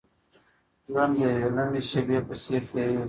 ژوند د يوې لنډې شېبې په څېر تېرېږي.